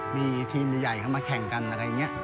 มีทีมใหญ่เข้ามาแข่งกันอะไรอย่างนี้